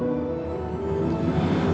aku menderita karena mataku buta